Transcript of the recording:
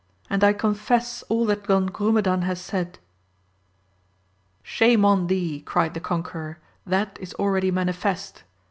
and I confess all that Don Grumedan has said. Shame on thee, cried the conqueror, that is already manifest.